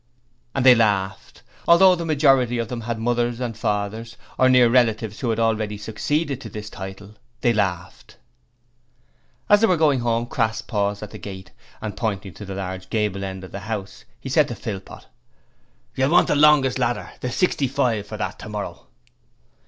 "' And they laughed! Although the majority of them had mothers or fathers or other near relatives who had already succeeded to the title they laughed! As they were going home, Crass paused at the gate, and pointing up to the large gable at the end of the house, he said to Philpot: 'You'll want the longest ladder the 65, for that, tomorrow.'